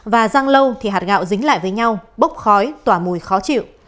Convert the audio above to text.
và răng lâu thì hạt gạo dính lại với nhau bốc khói tỏa mùi khó chịu